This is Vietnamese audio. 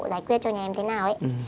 giải quyết cho nhà em thế nào ấy